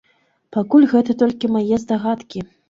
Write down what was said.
Пакуль гэта толькі мае здагадкі.